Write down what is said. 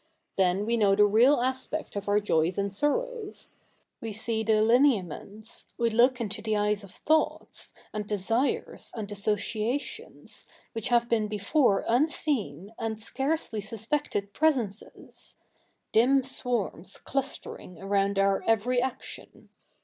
Then we know the real aspect of our joys and sorrows. We see the lineaments, we look into the eyes of thoughts, and desires, and associations, which have been before unseen and scarcely suspected presences — dim sw^arms clustering around our every action.